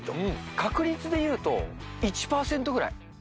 確率でいうと、１％ぐらい。